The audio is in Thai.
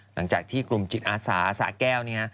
หลังจากที่กลุ่มจิตอาสาสะแก้วเนี่ย